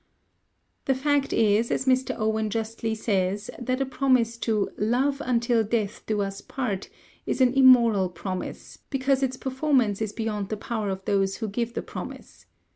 '" The fact is, as Mr. Owen justly says, that a promise to "love... until death us do part" is an immoral promise, because its performance is beyond the power of those who give the promise.